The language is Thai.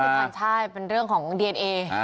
อันนั้นเป็นชาติต่างชาติเป็นเรื่องของดีเอนเอ